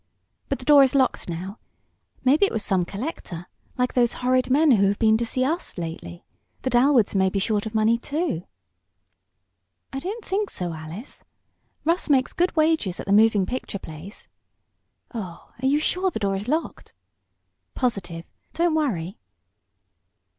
But the door is locked now. Maybe it was some collector like those horrid men who have been to see us lately. The Dalwoods may be short of money, too." "I don't think so, Alice. Russ makes good wages at the moving picture place. Oh, are you sure the door is locked?" "Positive. Don't worry."